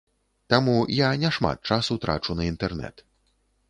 Таму, я не шмат часу трачу на інтэрнэт.